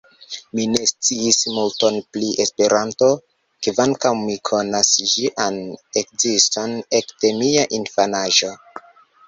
Mi ne sciis multon pri Esperanto, kvankam mi konas ĝian ekziston ekde mia infanaĝo.